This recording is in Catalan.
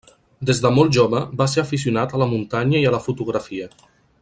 Des de molt jove va ser aficionat a la muntanya i a la fotografia.